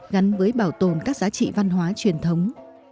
gắn với bảo tồn các giá trị văn hóa truyền thống